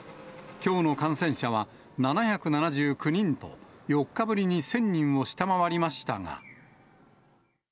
きょうの感染者は７７９人と、４日ぶりに１０００人を下回りましたが。